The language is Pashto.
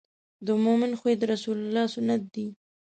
د مؤمن خوی د رسول الله سنت دی.